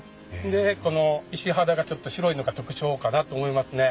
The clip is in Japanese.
でこの石肌がちょっと白いのが特徴かなと思いますね。